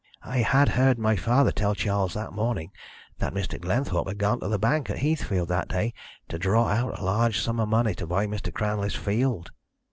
I had heard my father tell Charles that morning that Mr. Glenthorpe had gone to the bank at Heathfield that day to draw out a large sum of money to buy Mr. Cranley's field.